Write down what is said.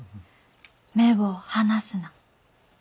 目を離すな。